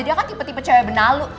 dia kan tipe tipe cewek benalu